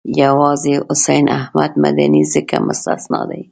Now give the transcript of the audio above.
یوازې حسین احمد مدني ځکه مستثنی دی.